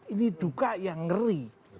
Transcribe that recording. ini duka yang ngeri